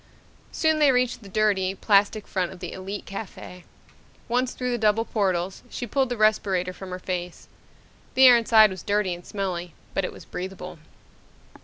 Soon they reached the dirty, plastic front of the Elite Cafe. Once through the double portals, she pulled the respirator from her face. The air inside was dirty and smelly but it was breathable.